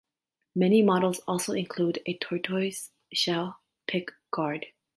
Many models also include a tortoise-shell pickguard.